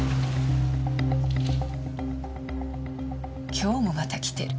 今日もまた来てる。